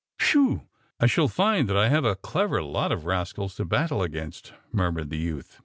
*^Whew! I shall find that I have a clever lot of rascals to battle against," murmured the youth.